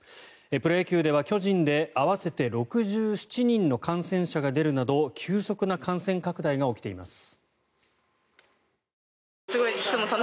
プロ野球では巨人で合わせて６７人の感染者が出るなど急速な感染拡大が起きています。